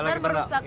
tapi gue lagi pernah